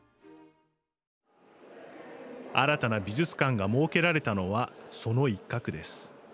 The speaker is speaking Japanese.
新たな美術館が設けられたのはその一角です。